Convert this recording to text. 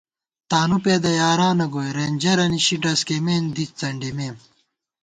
تانُو پېدہ یارانہ گوئی ، رېنجرہ نشی ڈز کېئیمېن دی څنڈِمېم